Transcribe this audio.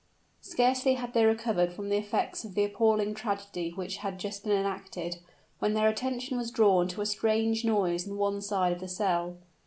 Scarcely had they recovered from the effects of the appalling tragedy which had just been enacted, when their attention was drawn to a strange noise on one side of the cell.